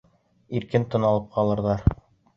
Иркен тын алып ҡалырҙар.